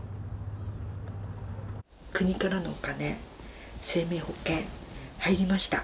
国からのお金生命保険入りました。